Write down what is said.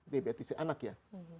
diabetes si anak ya